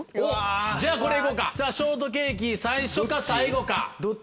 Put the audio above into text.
じゃあこれ行こうかショートケーキ最初か最後か。